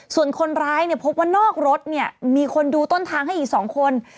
ส่วนคนร้ายเนี่ยพบว่านอกรถเนี่ยมีคนดูต้นทางให้อีก๒คน